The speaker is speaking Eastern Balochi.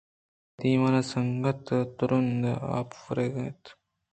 شپ ءِ دیوان ءَ سنگت تْرُندآپ ورگ ءَ اِت اَنت